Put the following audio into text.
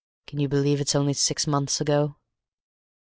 Can you believe it's only six months ago?"